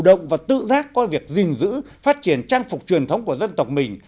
cụ động và tự giác qua việc gìn giữ phát triển trang phục truyền thống của dân tộc mình